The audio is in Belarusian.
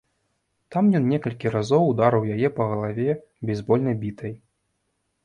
Там ён некалькі разоў ударыў яе па галаве бейсбольнай бітай.